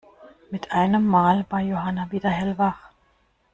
Mit einem Mal war Johanna wieder hellwach.